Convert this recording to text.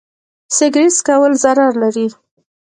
سګرټ څکول ضرر لري.